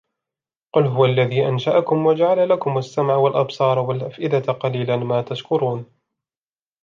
قُلْ هُوَ الَّذِي أَنْشَأَكُمْ وَجَعَلَ لَكُمُ السَّمْعَ وَالْأَبْصَارَ وَالْأَفْئِدَةَ قَلِيلًا مَا تَشْكُرُونَ